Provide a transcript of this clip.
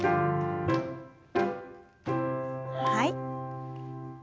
はい。